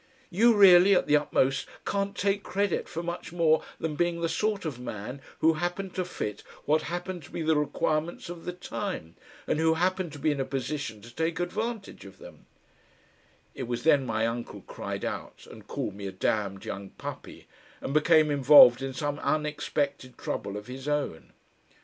You really at the utmost can't take credit for much more than being the sort of man who happened to fit what happened to be the requirements of the time, and who happened to be in a position to take advantage of them " It was then my uncle cried out and called me a damned young puppy, and became involved in some unexpected trouble of his own.